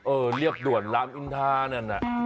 เออเรียบด่วนล้ำอินทาเนี่ยนะ